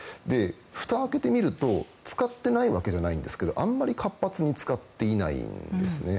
ふたを開けてみると使っていないわけではないんですがあんまり活発に使っていないようなんですね。